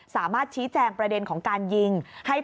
สามารถชี้แจงประเด็นของการยิงให้